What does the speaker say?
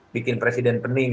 bikin presiden pening